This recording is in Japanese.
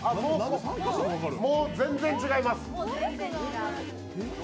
もう全然違います。